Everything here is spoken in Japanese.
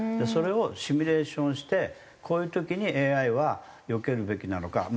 それをシミュレーションしてこういう時にＡＩはよけるべきなのか。